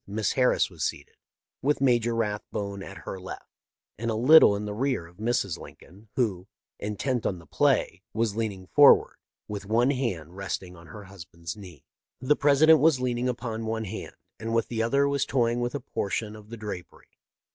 Miss Harris was seated, with Major Rathbone at her left, and a little in the rear of Mrs. Lincoln, who, intent on the play, was leaning forward, with one hand resting on her husband's knee. The President was leaning upon one hand, and with the other was toying with a portion of the drapery.